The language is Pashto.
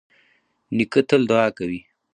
نیکه تل دعا کوي.